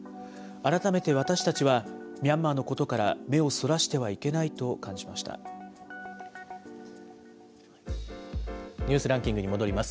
改めて私たちは、ミャンマーのことから目をそらしてはいけないとニュースランキングに戻ります。